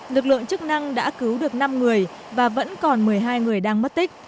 lực lượng chức năng đã cứu được năm người và vẫn còn một mươi hai người đang mất tích